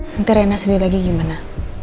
nanti rena sendiri lagi gimana